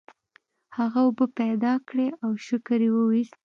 هغه اوبه پیدا کړې او شکر یې وویست.